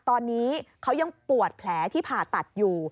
ตอนนี้เขายังปวดแผลที่ผ่าตัดอยู่